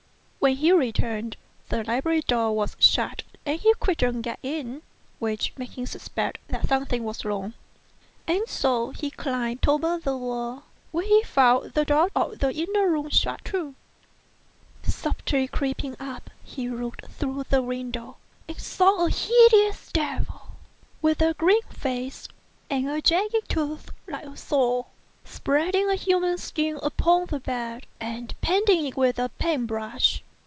When he returned, the library door was shut, and he couldn't get in, which made him suspect that something was wrong; and so he FROM A CHINESE STUDIO. 79 climbed over the wall, where he found the door of the inner room shut too. Softly creeping up, he looked through the window and saw a hideous devil, with a green face and jagged teeth like a saw, spreading a human skin upon the bed and painting it with a paint brush.